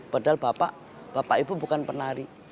padahal bapak bapak ibu bukan penari